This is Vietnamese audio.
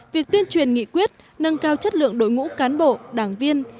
việc tuyên truyền nghị quyết nâng cao chất lượng đội ngũ cán bộ đảng viên